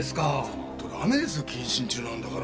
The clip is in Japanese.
ちょっとダメですよ謹慎中なんだから。